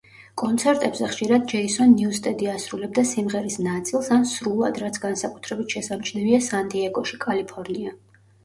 კონცერტებზე ხშირად ჯეისონ ნიუსტედი ასრულებდა სიმღერის ნაწილს ან სრულად, რაც განსაკუთრებით შესამჩნევია სან-დიეგოში, კალიფორნია.